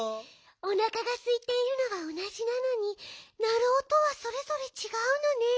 おなかがすいているのはおなじなのになるおとはそれぞれちがうのね。